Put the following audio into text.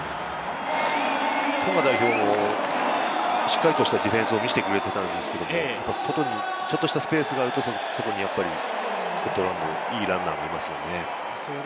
トンガ代表もしっかりとしたディフェンスを見せてくれていたんですけれども、外にちょっとしたスペースがあると、そこにスコットランド、いいランナーがいますよね。